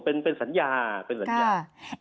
เป็นสัญญาเป็นสัญญา